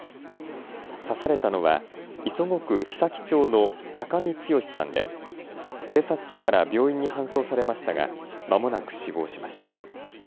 刺されたのは磯子区久木町の酒見剛さんで警察署から病院に搬送されましたがまもなく死亡しました。